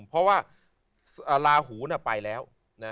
เพราะว่าลาหูไปแล้ว